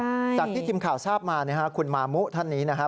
ใช่จากที่ทีมข่าวทราบมาคุณมามุทัศน์นี้นะฮะ